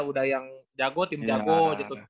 udah yang jago tim jago gitu